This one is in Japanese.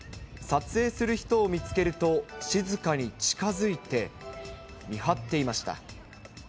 撮影する人を見つけると、静かに近づいて見張っていました。